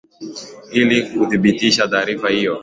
ili kuthibitisha taarifa hiyo